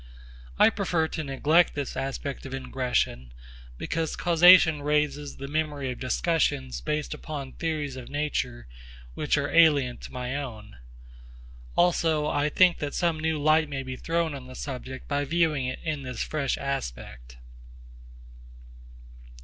I prefer to neglect this aspect of ingression, because causation raises the memory of discussions based upon theories of nature which are alien to my own. Also I think that some new light may be thrown on the subject by viewing it in this fresh aspect.